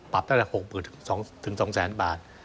ปรับตั้งแต่๖๐๒๐๐บาท